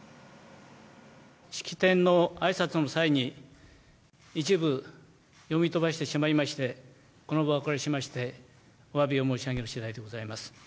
式典のあいさつの際に、一部読み飛ばしてしまいまして、この場をお借りしまして、おわびを申し上げるしだいでございます。